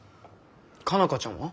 佳奈花ちゃんは？